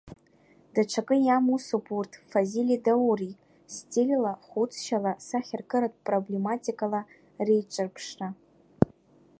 Даҽакы иамусуп урҭ, Фазили Даури, стильла, хәыцшьала, сахьаркыратә проблематикала реиҿырԥшра.